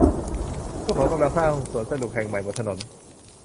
พวกเขากำลังสร้างสวนสนุกแห่งใหม่บนถนน